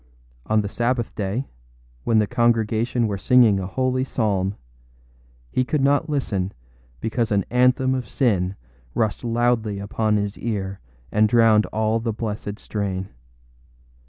On the Sabbath day, when the congregation were singing a holy psalm, he could not listen because an anthem of sin rushed loudly upon his ear and drowned all the blessed strain.